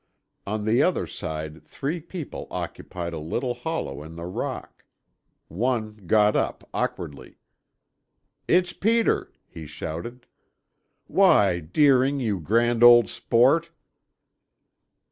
On the other side three people occupied a little hollow in the rock. One got up awkwardly. "It's Peter!" he shouted. "Why, Deering, you grand old sport!"